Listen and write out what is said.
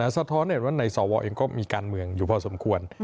สะท้อนเห็นว่าในสวเองก็มีการเมืองอยู่พอสมควร